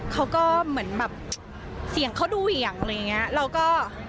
เขาก็เหมือนเสียงเขาดูเหย่างเราก็